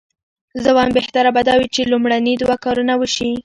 زه وایم بهتره به دا وي چې لومړني دوه کارونه وشي.